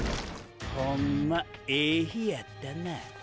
ホンマええ日やったな。